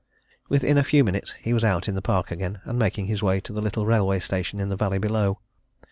Within a few minutes he was out in the park again, and making his way to the little railway station in the valley below.